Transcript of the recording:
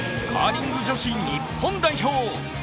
カーリング女子日本代表。